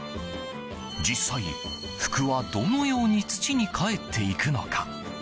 実際、服はどのように土にかえっていくのか。